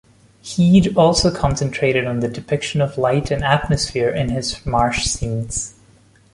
Heade also concentrated on the depiction of light and atmosphere in his marsh scenes.